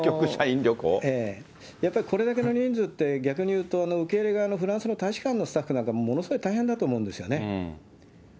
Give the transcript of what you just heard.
やっぱりこれだけの人数って、逆に言うと受け入れ側のフランス側の大使館のスタッフのほうなんかもものすごい大変だと思うんですよね。